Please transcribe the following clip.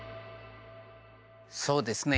そうですね